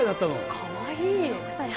かわいい。